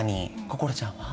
心ちゃんは？